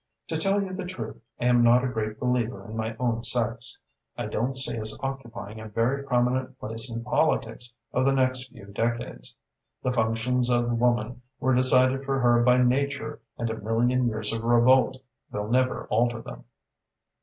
To tell you the truth, I am not a great believer in my own sex. I don't see us occupying a very prominent place in the politics of the next few decades. The functions of woman were decided for her by nature and a million years of revolt will never alter them."